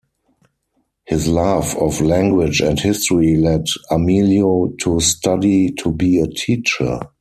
His love of language and history led Amelio to study to be a teacher.